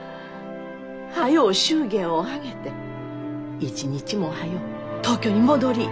早う祝言を挙げて一日も早う東京に戻りい。